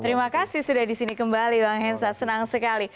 terima kasih sudah di sini kembali bang hensat senang sekali